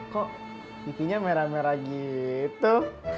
kok ipinya merah merah gitu